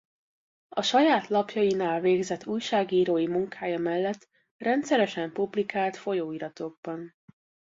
A saját lapjainál végzett újságírói munkája mellett rendszeresen publikált folyóiratokban.